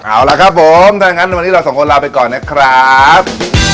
เอาละครับผมถ้างั้นวันนี้เราสองคนลาไปก่อนนะครับ